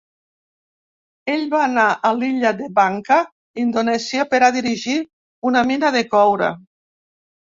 Ell va anar a l'illa de Banka, Indonèsia, per a dirigir una mina de coure.